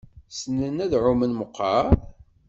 Ssnen ad ɛumen meqqar?